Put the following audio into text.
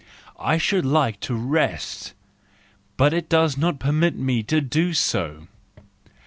I should like to rest, but it does not permit me to do so.